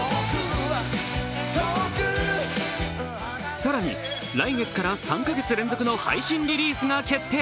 更に来月から３か月連続の配信リリースが決定。